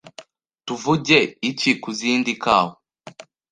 Tuvuge iki ku zindi kawa?